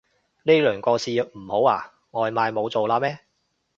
呢輪個市唔好啊？外賣冇做喇咩